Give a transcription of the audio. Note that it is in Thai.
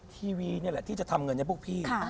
ทีวีนี่แหละที่จะทำเงินให้พวกพี่